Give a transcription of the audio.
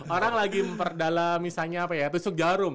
orang lagi memperdalam misalnya apa ya tusuk jarum